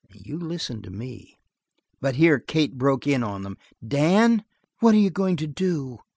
You listen to me." But here Kate broke in on them. "Dan, what are you going to do?"